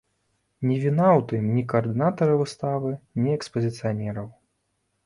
Не віна ў тым ні каардынатара выставы, ні экспазіцыянераў.